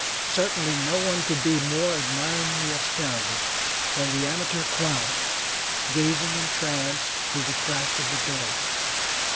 Certainly no one could be more admiringly astounded than the amateur clowns gazing entranced through the crack of the doorway.